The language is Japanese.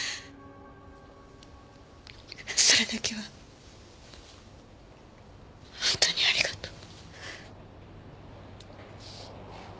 それだけは本当にありがとう。